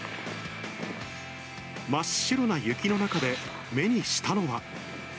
真っ白な雪の中で、目にしたのは。